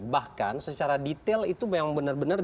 bahkan secara detail itu memang benar benar